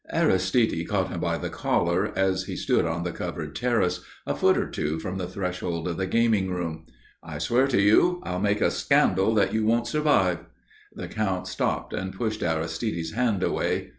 Aristide caught him by the collar as he stood on the covered terrace, a foot or two from the threshold of the gaming room. "I swear to you, I'll make a scandal that you won't survive." The Count stopped and pushed Aristide's hand away.